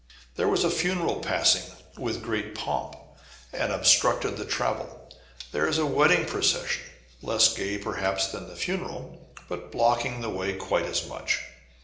Here was a funeral passing with great pomp, and obstructing the travel ; there a wedding procession, less gay, perhaps, than the funeral, but blocking the way quite as much.